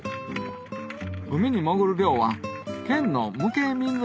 海に潜る漁は県の無形民俗